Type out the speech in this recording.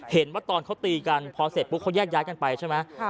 เห็นว่าตอนเขาตีกันพอเสร็จปุ๊บเขาแยกย้ายกันไปใช่ไหม